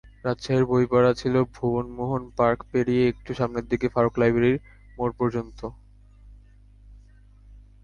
রাজশাহীর বইপাড়া ছিল ভুবনমোহন পার্ক পেরিয়ে একটু সামনের দিকে ফারুক লাইব্রেরির মোড় পর্যন্ত।